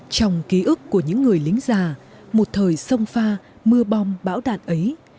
trong ký ức của những người lính già một thời sông pha mưa bom bão đạn ấy